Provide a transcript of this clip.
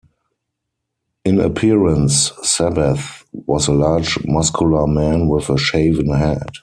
In appearance, Sabbath was a large muscular man with a shaven head.